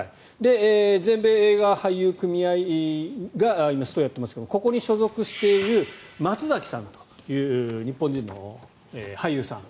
全米映画俳優組合が今、ストをやっていますがここに所属をしている松崎さんという日本人の俳優さん。